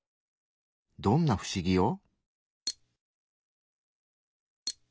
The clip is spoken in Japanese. どんな不思議を？